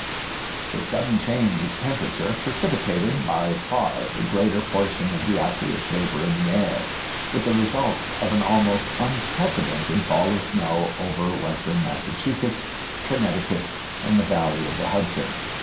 The sudden change of tem perature precipitated by far the greater portion of the aqueous vapor in the air, with the result of an almost unprecedented fall of snow over western Massachusetts, Connecticut, and the valley of the Hudson.